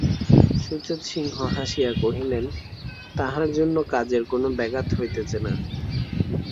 সুচেতসিংহ হাসিয়া কহিলেন, তাহার জন্য কাজের কোনো ব্যাঘাত হইতেছে না।